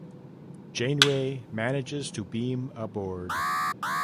Janeway manages to beam aboard.